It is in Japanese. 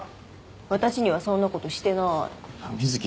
私にはそんなことしてない瑞貴